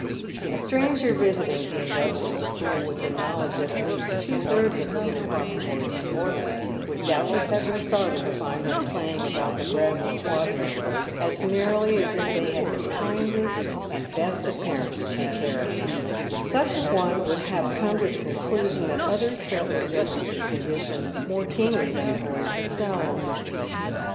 " A stranger visiting the Industrial School with the knowledge that at least two thirds of the little pauper boys were orphans, would doubtless have been startled to find them playing about the gravelled quadrangle as merrily as if they had the kindest and best of parents to take care of them ; such a one would have come to the conclusion that others felt their destitute condition more keenly than the boys themselves.